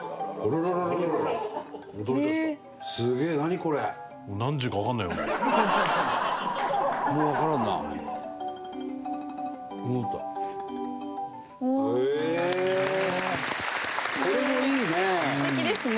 これもいいね！